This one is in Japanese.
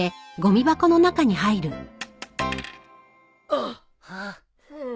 あっ。